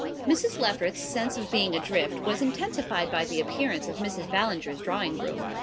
Mrs. Leveret's sense of being adrift was intensified by the appearance of Mrs. Ballinger's drawing room.